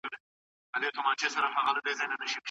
فارابي اخلاق اساسي ګڼي.